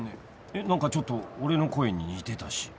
えっ何かちょっと俺の声に似てたし。